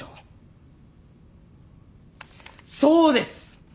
そうです。